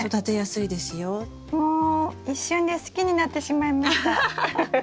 もう一瞬で好きになってしまいました。